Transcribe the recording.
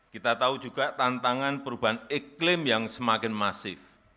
kita tahu juga tantangan perubahan iklim yang semakin masif